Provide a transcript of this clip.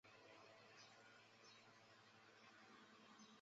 绝对领域指的就是任何人心里的心理屏障。